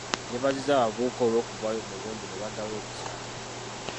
Yeebazizza abavubuka olwokuvaayo mu bungi ne bagaba omusaayi.